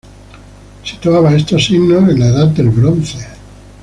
Situaba estos signos en la Edad del Bronce.